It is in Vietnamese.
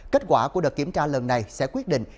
kết quả của đợt kiểm tra lần này sẽ quyết định